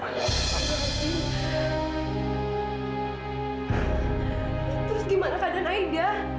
terus gimana keadaan aida